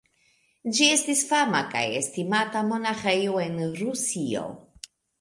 Ĝi estis fama kaj estimata monaĥejo en Rusio.